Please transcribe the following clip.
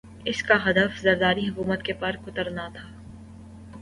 اس کا ہدف زرداری حکومت کے پر کترنا تھا۔